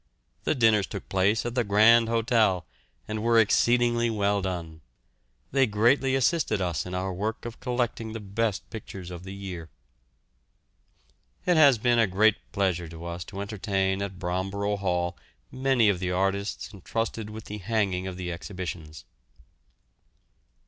The dinners took place at the Grand Hotel, and were exceedingly well done. They greatly assisted us in our work of collecting the best pictures of the year. It has been a great pleasure to us to entertain at Bromborough Hall many of the artists entrusted with the hanging of the exhibitions.